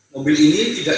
mobil ini tidak